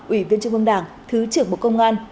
ủy viên trung ương đảng thứ trưởng bộ công an